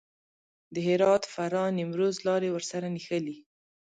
د هرات، فراه، نیمروز لارې ورسره نښلي.